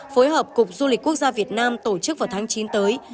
phối hợp cục du lịch quốc gia việt nam tổ chức vào tháng chín tới